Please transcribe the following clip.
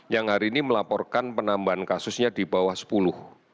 yang hari ini melaporkan penambahan kasusnya di bawah sepuluh